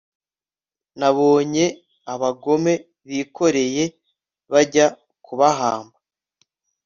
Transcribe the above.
nabonye abagome bikoreye bajya kubahamba